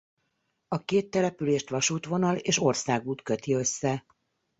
A két települést vasútvonal és országút köti össze.